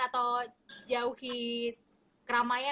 atau jauhi keramaian